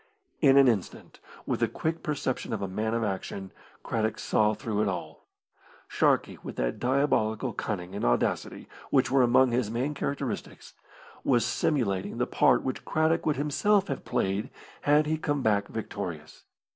In an instant, with the quick perception of a man of action, Craddock saw through it all. Sharkey, with that diabolical cunning and audacity which were among his main characteristics, was simulating the part which Craddock would himself have played had he come back victorious.